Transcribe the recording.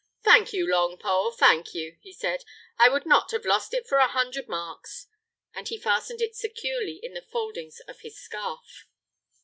"Thank you, Longpole! thank you," he said, "I would not have lost it for a hundred marks;" and he fastened it securely in the foldings of his scarf.